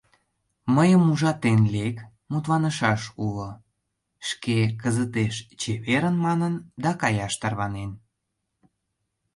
— Мыйым ужатен лек, мутланышаш уло, — шке «кызытеш чеверын!» манын да каяш тарванен.